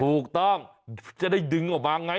ถูกต้องจะได้ดึงออกมาไง